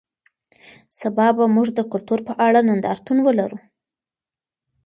سبا به موږ د کلتور په اړه نندارتون ولرو.